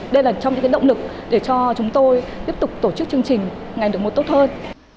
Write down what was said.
đây là trong những động lực để cho chúng tôi tiếp tục tổ chức chương trình ngày được một tốt hơn